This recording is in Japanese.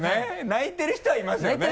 泣いてる人はいます。